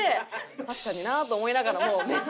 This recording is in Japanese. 「確かになあ」と思いながらもめっちゃ。